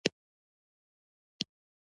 شنه ساحه د ترافیکي پیښو مخنیوی کوي